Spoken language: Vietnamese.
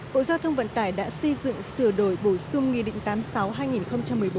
bộ giao thông vận tải đã xây dựng sửa đổi bổ sung nghị định tám mươi sáu hai nghìn một mươi bốn